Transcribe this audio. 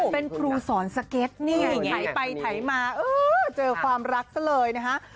เป็นครูสอนสเก็ทไถมาเจอความรักซะเลยนะครับ